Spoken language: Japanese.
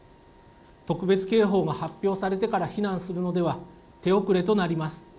特別警報が発表されてから避難するのでは、手遅れとなります。